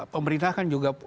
pemerintah kan juga